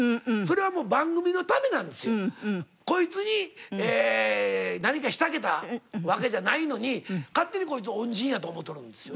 こいつに何かしてあげたわけじゃないのに勝手にこいつ恩人やと思っとるんですよ。